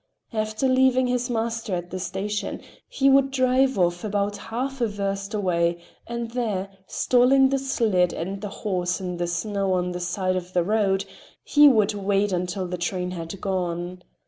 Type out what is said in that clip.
After leaving his master at the station, he would drive off about half a verst away, and there, stalling the sled and the horse in the snow on the side of the road, he would wait until the train had gone.